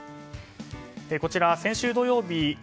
こちら先週土曜日１１日